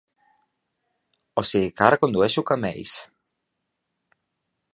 O sigui que ara condueixo camells.